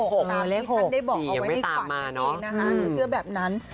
เหมือนเลข๖หรือยังไม่ตามมา